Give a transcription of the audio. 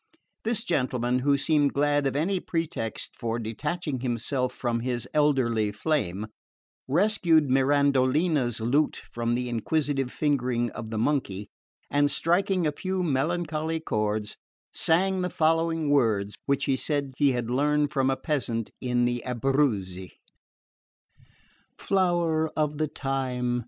This gentleman, who seemed glad of any pretext for detaching himself from his elderly flame, rescued Mirandolina's lute from the inquisitive fingering of the monkey, and striking a few melancholy chords, sang the following words, which he said he had learned from a peasant of the Abruzzi: Flower of the thyme!